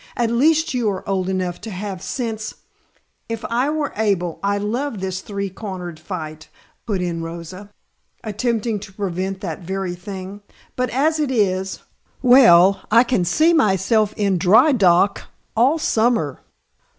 "At least you are old enough to have sense " "If I were able I'd love this three cornered fight," put in Rosa, attempting to prevent that very thing. "But as it is well, I can see myself in dry dock all summer."